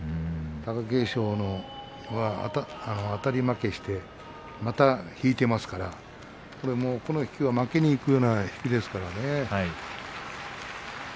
貴景勝はあたり負けして引いていますからこの引きは負けにいくような引きですからね。